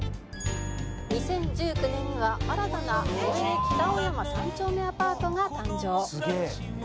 ２０１９年には新たな都営北青山三丁目アパートが誕生